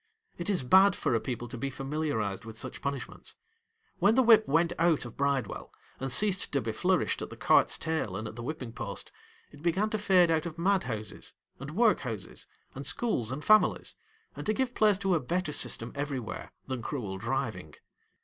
It is bad for a people to be familiarised with such punish ments. When the whip went out of Bride well, and ceased to be flourished at the cart's tail and at the whipping post, it began ;o fade out of madhouses, and workhouses, and schools, and families, and to give place ;o a better system everywhere, than cruel driving.